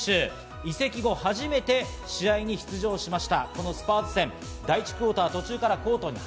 移籍後、初めて試合に出場しました。